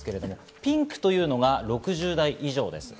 ピンクというのが６０代以上です。